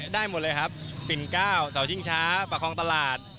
ได้หมดเลยครับปิ่น๙เสาชิงช้าประคองตลาด